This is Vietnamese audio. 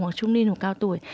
hoặc trung niên hoặc cao tuổi